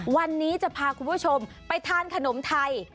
วันนี้จะพาคุณผู้ชมไปทานขนมไทย